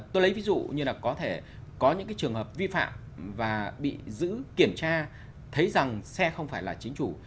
tôi lấy ví dụ như là có thể có những cái trường hợp vi phạm và bị giữ kiểm tra thấy rằng xe không phải là chính chủ